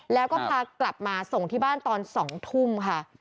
แล้วก็พากลับมาส่งที่บ้านตอน๒ทุ่มค่ะ